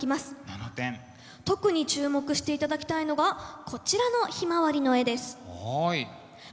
特に注目していただきたいのがこちらの「ヒマワリ」の絵です。